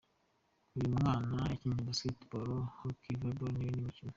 Uyu mwana yakina basketball, hockey, volleyball n’indi mikino.